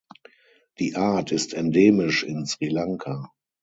Die Art ist endemisch in Sri Lanka.